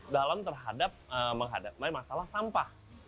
dalam terhadap menghadapi masalah sampah